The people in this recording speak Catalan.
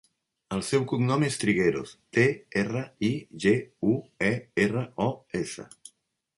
El seu cognom és Trigueros: te, erra, i, ge, u, e, erra, o, essa.